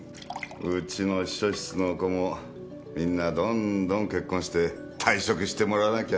ウチの秘書室の子もみんなどんどん結婚して退職してもらわなきゃ。